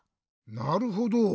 なるほど。